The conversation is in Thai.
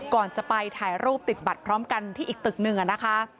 ก่อนจะไปถ่ายรูปติดบัตรพร้อมกันที่อีกตึกหนึ่งนะคะ